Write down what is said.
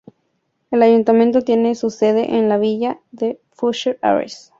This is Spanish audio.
El ayuntamiento tiene su sede en la villa de Fushë-Arrëz.